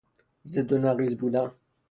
ضد و نقیض بودن